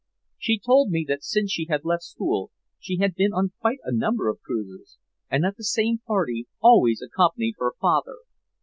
She told me that since she had left school she had been on quite a number of cruises, and that the same party always accompanied her father.